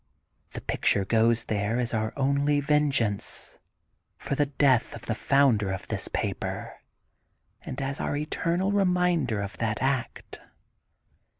The picture goes there as our only venge ance for the death of the founder of this paper, and as our eternal reminder of that act.